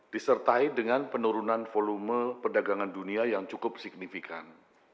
disertai dengan penurunan volume perdagangan dunia yang cukup signifikan